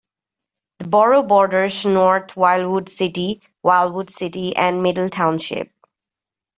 The borough borders North Wildwood City, Wildwood City, and Middle Township.